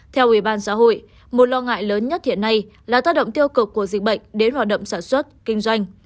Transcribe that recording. theo ủy ban xã hội một lo ngại lớn nhất hiện nay là tác động tiêu cực của dịch bệnh đến hoạt động sản xuất kinh doanh